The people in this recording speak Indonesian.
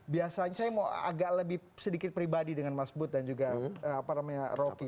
biasanya saya mau agak lebih sedikit pribadi dengan mas bud dan juga rocky